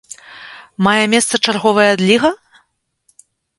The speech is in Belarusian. Мае месца чарговая адліга?